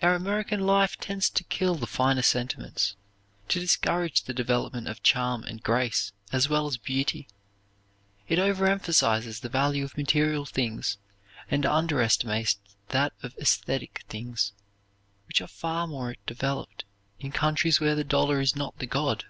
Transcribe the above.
Our American life tends to kill the finer sentiments; to discourage the development of charm and grace as well as beauty; it over emphasizes the value of material things and under estimates that of esthetic things, which are far more developed in countries where the dollar is not the God.